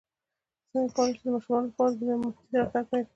څنګه کولی شم د ماشومانو لپاره د امام مهدي راتګ بیان کړم